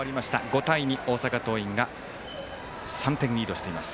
５対２、大阪桐蔭が３点リードしています。